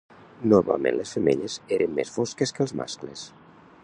Normalment les femelles eren més fosques que els mascles.